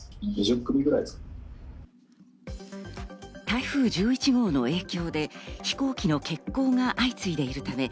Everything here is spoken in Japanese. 台風１１号の影響で飛行機の欠航が相次いでいるため、